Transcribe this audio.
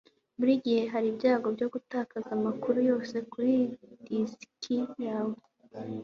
burigihe hariho ibyago byo gutakaza amakuru yose kuri disiki yawe